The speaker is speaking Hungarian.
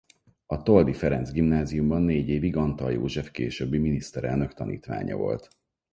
A Toldy Ferenc Gimnáziumban négy évig Antall József későbbi miniszterelnök tanítványa volt.